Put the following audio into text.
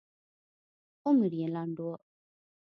عمر یې لنډ و.